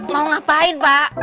mau ngapain pak